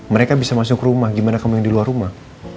mereka bisa masuk rumah gimana kamu yang di luar rumah